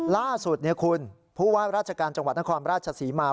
ล่าสุดคุณผู้ว่าราชการจังหวัดนครราชศรีมา